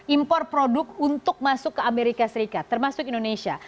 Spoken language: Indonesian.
impor produk untuk masuk ke amerika serikat termasuk indonesia